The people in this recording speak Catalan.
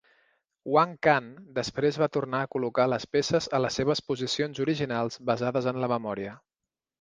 Wang Can després va tornar a col·locar les peces a les seves posicions originals basades en la memòria.